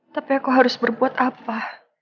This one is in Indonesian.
tapi aku harus berbuat apa